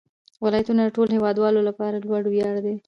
ولایتونه د ټولو هیوادوالو لپاره لوی ویاړ دی.